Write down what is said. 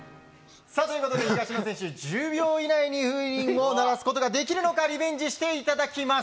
東野選手、１０秒以内に風鈴を鳴らすことができるのかリベンジしていただきます。